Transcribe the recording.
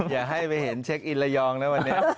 อย่าให้ไปเห็นเช็คอินระยองนะวันนี้